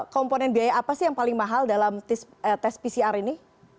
komponen biaya apa sih yang paling mahal dalam tes pcr ini